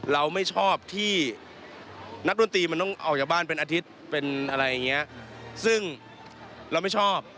เราไม่ชอบที่นักดนตรีมันต้องออกจากบ้านเป็นอาทิตย์เป็นอะไรอย่างเงี้ยซึ่งเราไม่ชอบ